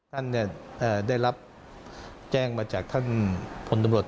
ท่านได้รับแจ้งมาจากท่านพลตำรวจ